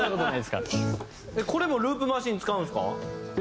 これもループマシン使うんですか？